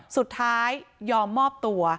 สุดท้ายยอมมอบตัว